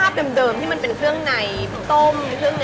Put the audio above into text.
เป็นกรีมมิกของร้านคือ